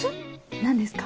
何ですか？